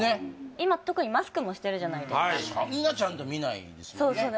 今特にマスクもしてるじゃないですかそんなちゃんと見ないですもんね